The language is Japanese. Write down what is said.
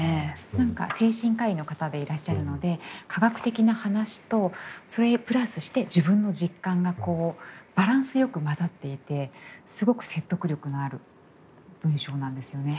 何か精神科医の方でいらっしゃるので科学的な話とそれにプラスして自分の実感がバランスよく混ざっていてすごく説得力のある文章なんですよね。